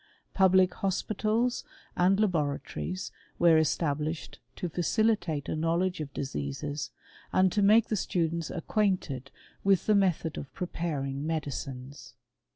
Public hospitals and laboratories were established to facilitate a knowledge of diseases, and to make the students, acquainted with the method of preparing medicines.